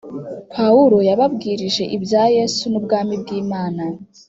Pawulo yababwirije ibya Yesu n’ubwami bw ‘Imana